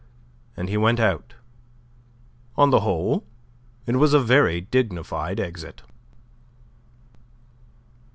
And he went out. On the whole, it was a very dignified exit.